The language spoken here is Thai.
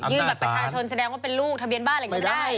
ยื่นบัตรประชาชนแสดงว่าเป็นลูกทะเบียนบ้านอะไรก็ได้